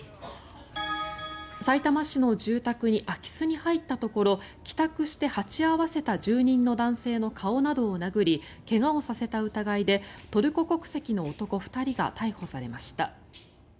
さいたま市の住宅に空き巣に入ったところ帰宅して鉢合わせた住人の男性の顔などを殴り怪我をさせた疑いでトルコ国籍の男２人が逮捕されました。